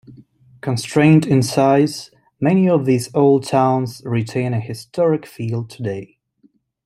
Constrained in size, many of these old towns retain a historic feel today.